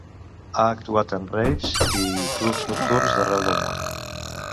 Ha actuat en "raves" i clubs nocturns d'arreu del món.